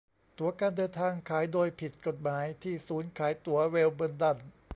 ตั๋วการเดินทางขายโดยผิดกฎหมายที่ศูนย์ขายตั๋วเวลเบินดัน